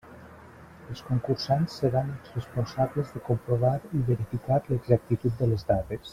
Els concursants seran els responsables de comprovar i verificar l'exactitud de les dades.